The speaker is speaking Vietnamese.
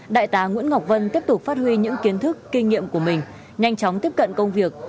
đại tá nguyễn ngọc vân tiếp tục phát huy những kiến thức kinh nghiệm của mình nhanh chóng tiếp cận công việc